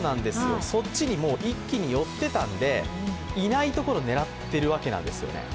そっちに一気に寄っていたんで、いないところを狙っているわけなんですよね。